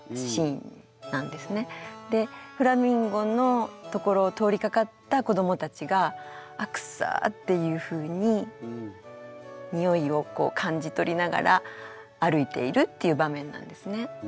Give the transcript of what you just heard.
でフラミンゴの所を通りかかった子どもたちが「あっくっさー」っていうふうににおいをこう感じ取りながら歩いているっていう場面なんですね。